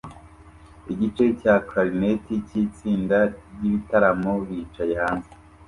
Igice cya Clarinet cyitsinda ryibitaramo bicaye hanze